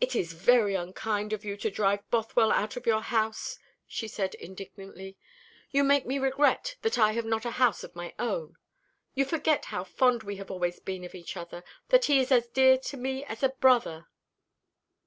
"It is very unkind of you to drive Bothwell out of your house," she said indignantly. "You make me regret that I have not a house of my own. You forget how fond we have always been of each other that he is as dear to me as a brother."